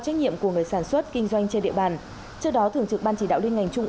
trách nhiệm của người sản xuất kinh doanh trên địa bàn trước đó thường trực ban chỉ đạo liên ngành trung